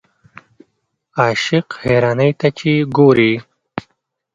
عاشق حیرانۍ ته چې ګورې.